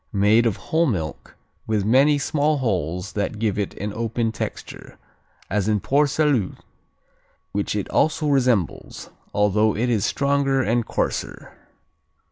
Made of whole milk, with many small holes that give it an open texture, as in Port Salut, which it also resembles, although it is stronger and coarser.